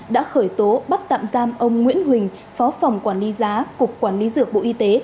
đã khởi tố bắt tạm giam ông nguyễn huỳnh phó phòng quản lý giá cục quản lý dược bộ y tế